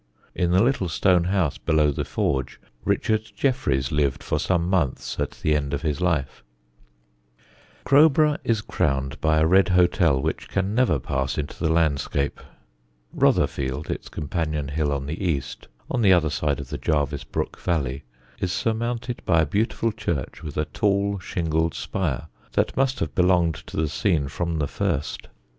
In the little stone house below the forge Richard Jefferies lived for some months at the end of his life. [Sidenote: ROTHERFIELD] Crowborough is crowned by a red hotel which can never pass into the landscape; Rotherfield, its companion hill on the east, on the other side of the Jarvis Brook valley, is surmounted by a beautiful church with a tall shingled spire, that must have belonged to the scene from the first.